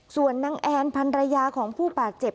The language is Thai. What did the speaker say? ส่วนนางแอนพันรยาของผู้บาดเจ็บ